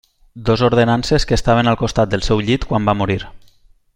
Dos ordenances que estaven al costat del seu llit quan va morir.